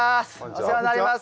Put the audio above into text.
お世話になります。